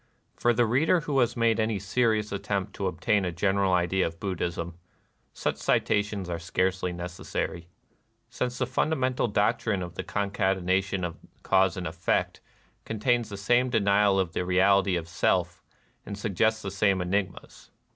For the reader who has made any serious attempt to obtain a general idea of Buddhism, such citations are scarcely necessary; since the fundamental doctrine of the concatenation of cause and effect contains the same denial of the reality of Self and suggests the same enigmas.